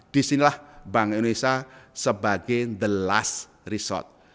disinilah bank indonesia sebagai the last resort